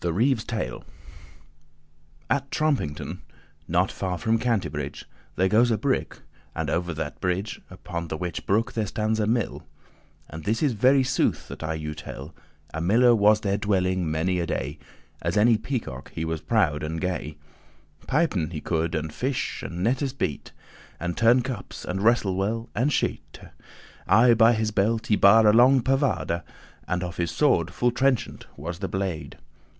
THE TALE.<1> At Trompington, not far from Cantebrig,* *Cambridge There goes a brook, and over that a brig, Upon the whiche brook there stands a mill: And this is *very sooth* that I you tell. *complete truth* A miller was there dwelling many a day, As any peacock he was proud and gay: Pipen he could, and fish, and nettes bete*, *prepare And turne cups, and wrestle well, and shete*. *shoot Aye by his belt he bare a long pavade*, *poniard And of his sword full trenchant was the blade.